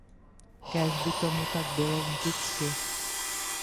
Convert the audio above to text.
Kéž by tomu tak bylo vždycky.